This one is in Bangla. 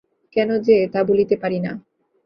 কেন যে, তা বলিতে পারি না।